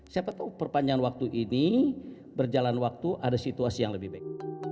siapa tahu perpanjangan waktu ini berjalan waktu ada situasi yang lebih baik